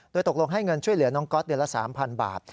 โดยตกลงให้เงินช่วยเหลือน้องก๊อตเดือนละ๓๐๐บาท